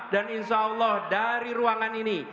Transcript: dan insya allah dari ruangan ini